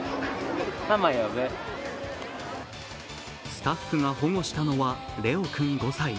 スタッフが保護したのはれお君５歳。